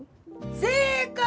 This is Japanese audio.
正解！